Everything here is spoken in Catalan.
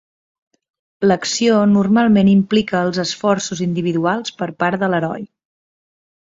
L'acció normalment implica els esforços individuals per part de l'heroi.